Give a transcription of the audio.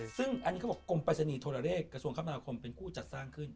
ซึ่งอันนี้เขาบอกกรมปรัชนีโทรเลขกระทรวงคมนาคมเป็นคู่จัดสร้างขึ้น